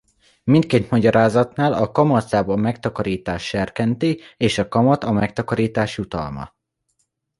Mindkét magyarázatnál a kamatláb a megtakarítást serkenti és a kamat a megtakarítás jutalma.